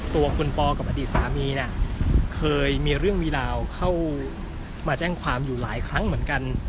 ตัวคุณปอกับอดีตสามีเนี่ยเคยมีเรื่องมีราวเข้ามาแจ้งความอยู่หลายครั้งเหมือนกัน